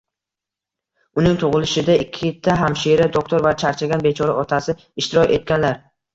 Uning tug‘ilishida ikkita hamshira, doktor va charchagan bechora otasi ishtirok etganlar.